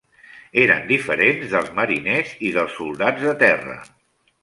Eren diferents dels mariners i dels soldats de terra.